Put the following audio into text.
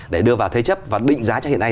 để đưa vào thế chấp và định giá cho hiện nay